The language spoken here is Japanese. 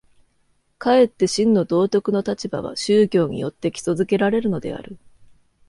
かえって真の道徳の立場は宗教によって基礎附けられるのである。